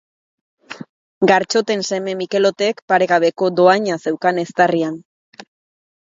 Gartxoten seme Mikelotek paregabeko dohaina zeukan eztarrian.